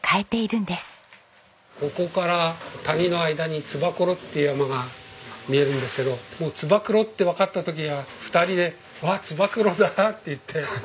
ここから谷の間に燕っていう山が見えるんですけどもう燕ってわかった時は２人で「わあ燕だ！」って言って。